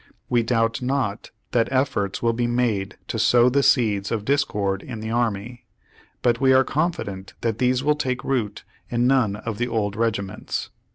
... We doubt not that efforts will be made to sow the seeds of discord in the army; but we are confident that these will take root in none of the old regiments."